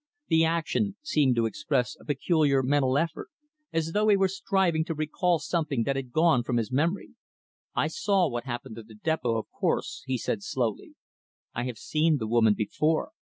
The action seemed to express a peculiar mental effort; as though he were striving to recall something that had gone from his memory. "I saw what happened at the depot, of course," he said slowly. "I have seen the woman before.